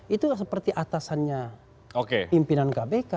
itu seperti atasannya pimpinan kpk